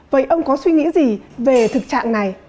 vậy ông có suy nghĩ gì về thực trạng này